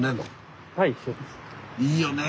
いいよねえ